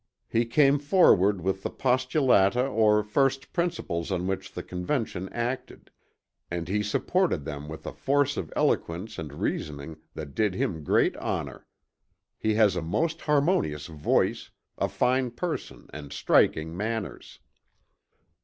He came forward with the postulata or first principles on which the Convention acted; and he supported them with a force of eloquence and reasoning that did him great honor. He has a most harmonious voice, a fine person and striking manners."